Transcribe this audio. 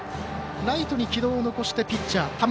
ライトに城戸を残してピッチャー、田村。